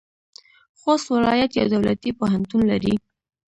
خوست ولایت یو دولتي پوهنتون لري.